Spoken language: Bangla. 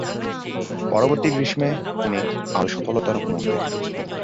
পরবর্তী গ্রীষ্মে তিনি আরও সফলতার মুখ দেখেন।